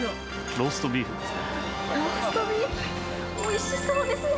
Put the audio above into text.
ローストビーフですね。